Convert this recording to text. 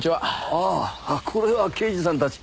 ああこれは刑事さんたち。